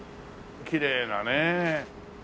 きれいなねえ。